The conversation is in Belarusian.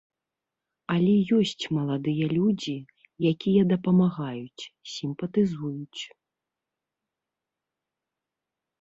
Але ёсць маладыя людзі, якія дапамагаюць, сімпатызуюць.